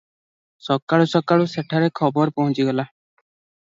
ସକାଳୁ ସକାଳୁ ସେଠାରେ ଖବର ପହଞ୍ଚିଗଲା ।